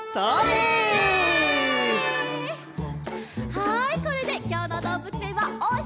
はいこれできょうのどうぶつえんはおしまい！